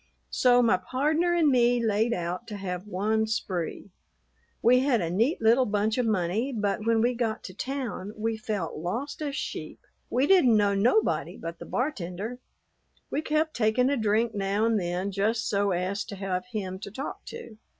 So my pardner and me layed out to have one spree. We had a neat little bunch of money, but when we got to town we felt lost as sheep. We didn't know nobody but the bartender. We kept taking a drink now and then just so as to have him to talk to.